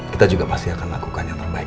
kita juga pasti akan lakukan yang terbaik